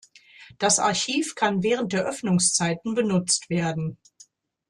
Das Archiv kann während der Öffnungszeiten benutzt werden.